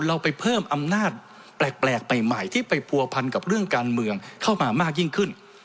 เราไปเพิ่มอำนาจแปลกใหม่ที่ไปผัวพันกับเรื่องการเมืองเข้ามามากยิ่งขึ้น